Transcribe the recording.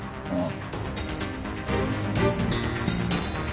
ああ。